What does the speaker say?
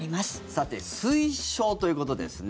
さて推奨ということですね